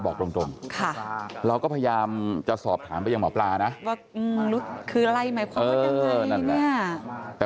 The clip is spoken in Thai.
บอกตรงค่ะเราก็พยายามจะสอบถามไปยังหมอปลานะว่าคืออะไร